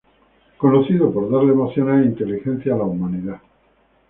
Conocido por darle emociones e inteligencia a la humanidad.